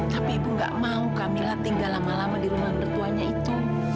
tapi ibu gak mau camillah tinggal lama lama di rumah mertuanya itu